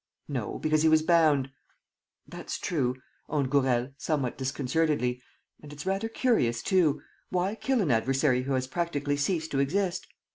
..." "No, because he was bound." "That's true," owned Gourel, somewhat disconcertedly, "and it's rather curious too. ... Why kill an adversary who has practically ceased to exist?